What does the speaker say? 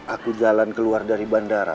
aku jalan keluar dari bandara